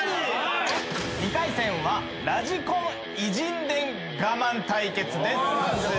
２回戦はラジコン偉人伝ガマン対決です。